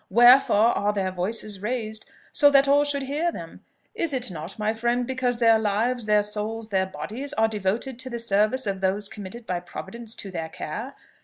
wherefore are their voices raised, so that all should hear them? Is it not, my friend, because their lives, their souls, their bodies, are devoted to the service of those committed by Providence to their care?